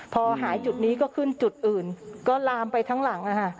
พอหายจุดนี้ก็ขึ้นจุดอื่นก็ลามไปทั้งหลัง